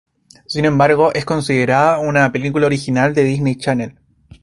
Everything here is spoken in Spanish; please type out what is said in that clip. Sin embargo, es considerada como una película original de Disney Channel.